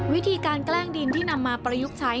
วิธีการแกล้งดินที่นำมาประยุกต์ใช้